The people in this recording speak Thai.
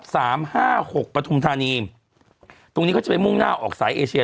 สามห้าหกปฐุมธานีตรงนี้เขาจะไปมุ่งหน้าออกสายเอเชีย